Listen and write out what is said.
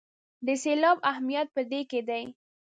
د سېلاب اهمیت په دې کې دی.